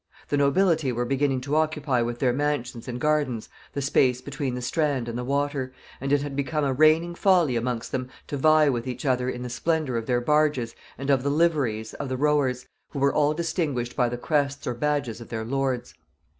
The nobility were beginning to occupy with their mansions and gardens the space between the Strand and the water, and it had become a reigning folly amongst them to vie with each other in the splendor of their barges and of the liveries of the rowers, who were all distinguished by the crests or badges of their lords.